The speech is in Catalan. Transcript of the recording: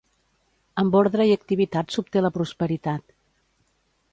Amb ordre i activitat s'obté la prosperitat.